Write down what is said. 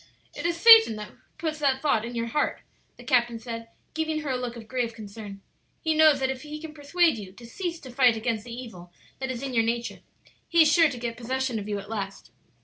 "It is Satan who puts that thought in your heart," the captain said, giving her a look of grave concern; "he knows that if he can persuade you to cease to fight against the evil that is in your nature he is sure to get possession of you at last.